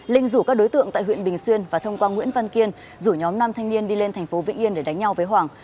linh rủ các đối tượng tại huyện bình xuyên và thông qua nguyễn văn kiên rủ nhóm năm thanh niên đi lên thành phố vĩnh yên để đánh nhau với hoàng